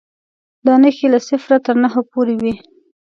دا نښې له صفر تر نهو پورې وې.